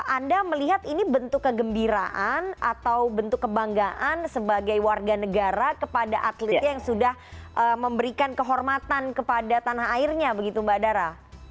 anda melihat ini bentuk kegembiraan atau bentuk kebanggaan sebagai warga negara kepada atletnya yang sudah memberikan kehormatan kepada tanah airnya begitu mbak dara